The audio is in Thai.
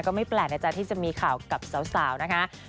ไม่แปลกนะจ๊ะที่จะมีข่าวกับสาวนะคะ